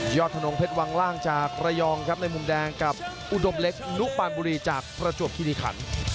ธนงเพชรวังล่างจากระยองครับในมุมแดงกับอุดมเล็กนุปานบุรีจากประจวบคิริขัน